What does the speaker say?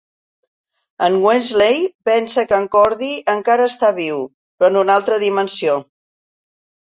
En Wesley pensa que en Cordy encara està viu, però en una altra dimensió.